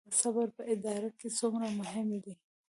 صبر په اداره کې څومره مهم دی؟